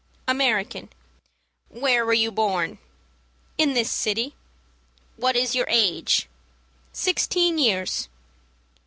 "American." "Where were you born?" "In this city." "What is your age?" "Sixteen years."